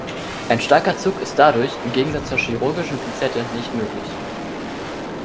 Ein starker Zug ist dadurch, im Gegensatz zur chirurgischen Pinzette, nicht möglich.